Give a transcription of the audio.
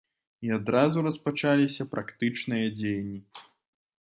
І адразу распачаліся практычныя дзеянні.